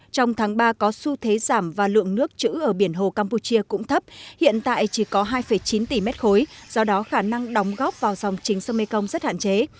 trong tháng ba có xu thế giảm và lượng nước chữ ở biển hồ campuchia cũng thấp hiện tại chỉ có hai chín tỷ m ba do đó khả năng đóng góp vào dòng chính sông mekong rất hạn chế